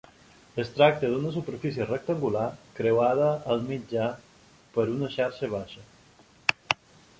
Es tracta d'una superfície rectangular creuada al mitjà per una xarxa baixa.